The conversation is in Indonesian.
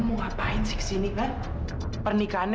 udah cepetan ganti baju